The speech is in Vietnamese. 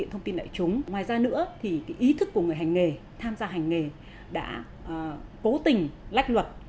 em hỏi chị chị tư vấn em qua học luôn